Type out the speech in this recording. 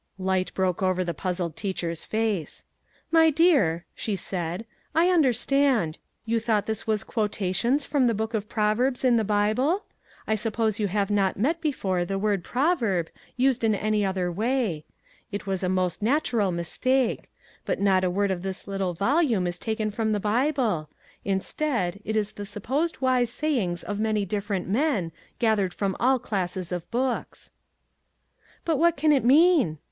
Light broke over the puzzled teacher's face. "My dear," she said, "I understand; you thought this was quotations from the Book of Proverbs in the Bible ? I suppose you have not 33 2 MAG'S WAGES met before the word ' proverb ' used in any other way. It was a most natural mistake; but not a word of this little volume is taken from the Bible ; instead, it is the supposed wise sayings of many different men, gathered from all classes of books." " But what can it mean